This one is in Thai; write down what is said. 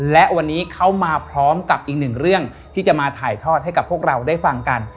และวันนี้เขามาพร้อมกับอีกหนึ่งเรื่องที่จะมาถ่ายทอดให้กับพวกเราได้ฟังกัน